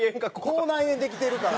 口内炎できてるから。